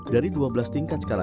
dari dua belas tingkat skala